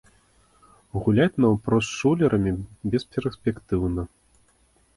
Гуляць наўпрост з шулерамі бесперспектыўна.